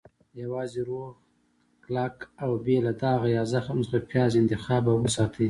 - یوازې روغ، کلک، او بې له داغه یا زخم څخه پیاز انتخاب او وساتئ.